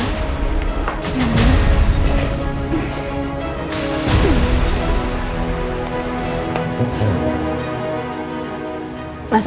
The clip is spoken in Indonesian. iya udah culpa